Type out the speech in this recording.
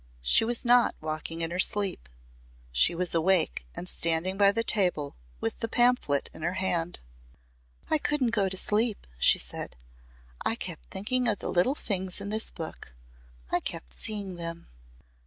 She was not walking in her sleep. She was awake and standing by the table with the pamphlet in her hand. "I couldn't go to sleep," she said. "I kept thinking of the little things in this book. I kept seeing them."